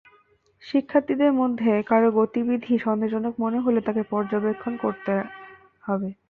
শিক্ষার্থীদের মধ্যে কারও গতিবিধি সন্দেহজনক মনে হলে তাকে পর্যবেক্ষণে রাখতে হবে।